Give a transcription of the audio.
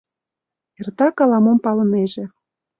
— Эртак ала-мом палынеже.